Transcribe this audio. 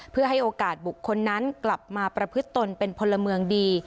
เพื่อให้โอกาสบุคคลนั้นกลับมาประพฤติตนเป็นพลเมืองดี